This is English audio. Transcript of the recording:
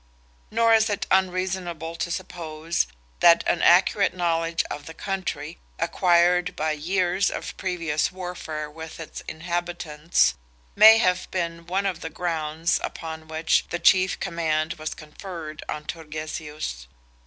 Nor is it unreasonable to suppose that an accurate knowledge of the country, acquired by years of previous warfare with its inhabitants, may have been one of the grounds upon which the chief command was conferred on Turgesius.